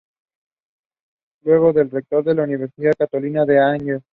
Luego fue rector de la Universidad Católica de Angers.